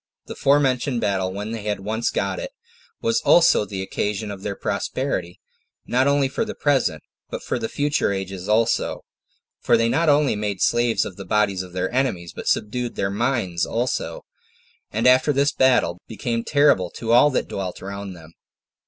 The forementioned battle, when they had once got it, was also the occasion of their prosperity, not only for the present, but for the future ages also; for they not only made slaves of the bodies of their enemies, but subdued their minds also, and after this battle, became terrible to all that dwelt round about them.